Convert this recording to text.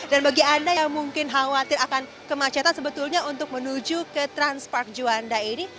dan bagi anda yang mungkin khawatir akan kemacetan sebetulnya untuk menuju ke transpark juanda ini